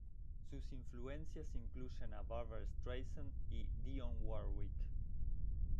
Sus influencias incluyen a Barbra Streisand y Dionne Warwick.